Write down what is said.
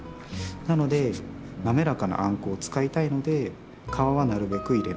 なので滑らかなあんこを使いたいので皮はなるべく入れないように。